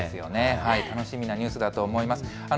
楽しみなニュースだと思います。